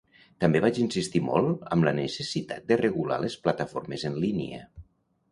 També vaig insistir molt amb la necessitat de regular les plataformes en línia.